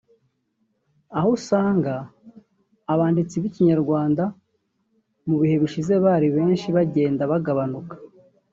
aho usanga abanditsi b’ikinyarwanda mu bihe bishize bari benshi bagenda bagabanuka